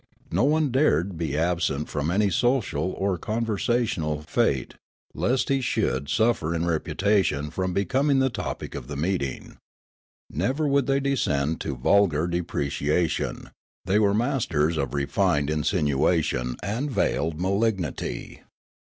No one dared be absent from any social or conver sational fete, lest he should suffer in reputation from becoming the topic of the meeting. Never would they descend to vulgar depreciation ; they were masters of refined insinuation and veiled malignity.